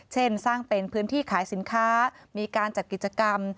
เช่นสร้างเป็นพื้นที่ขายสินค้ามีการจัดกิจกรรม